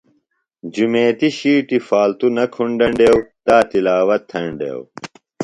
جُمیتیۡ شِیٹیۡ فالتوۡ نہ کُھنڈینڈیوۡ۔ تا تلاوت تھینڈیوۡ۔